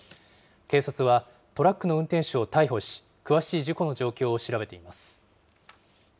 警察はトラックの運転手を逮捕し、詳しい事故の状況を調べています。